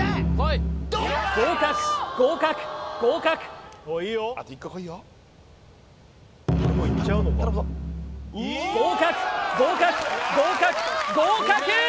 合格合格合格合格合格合格合格